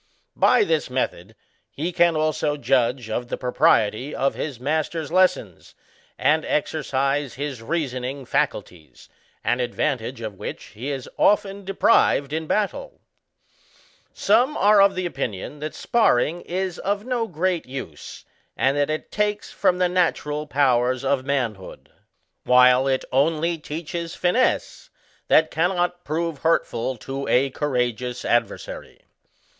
By this method, he can also judge of the propriety of his master's lessons, and exercise his reasoning faculties, an advantage of which he is often deprived in battle. Some are of opinion that sparring is of no great use, and that it takes from the natural powers of manhood, while Digitized by VjOOQIC SKETCHES OF PUGILISM. 17 it only teaches finesse, that cannot prove hurtful to a courageous adversary.